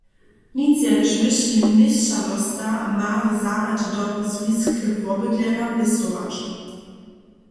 Nic jenož wyši měšćanosta ma w zarjedźe dobry zwisk k wobydlerjam pěstować.